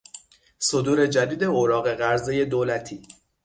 صدور جدید اوراق قرضهی دولتی